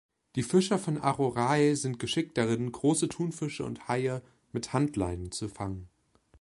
Die Fischer von Arorae sind geschickt darin, große Thunfische und Haie mit Handleinen zu fangen.